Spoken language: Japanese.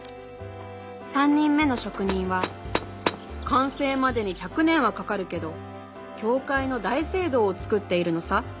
３人目の職人は「完成までに１００年はかかるけど教会の大聖堂をつくっているのさ」